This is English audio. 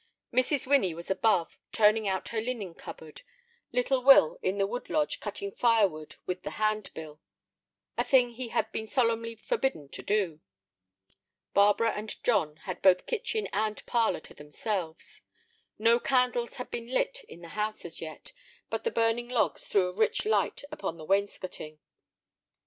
Mrs. Winnie was above, turning out her linen cupboard, little Will in the wood lodge cutting firewood with the hand bill—a thing he had been solemnly forbidden to do. Barbara and John had both kitchen and parlor to themselves. No candles had been lit in the house as yet, but the burning logs threw a rich light upon the wainscoting.